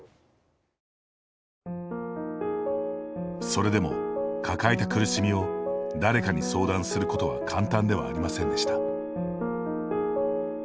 それでも、抱えた苦しみを誰かに相談することは簡単ではありませんでした。